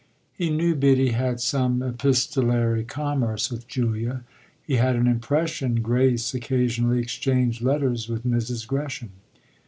He knew Biddy had some epistolary commerce with Julia; he had an impression Grace occasionally exchanged letters with Mrs. Gresham.